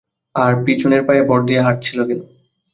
আর পিছনের পায়ে ভর দিয়ে হাঁটছিল কেন?